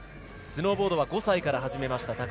スノーボードは５歳から始めました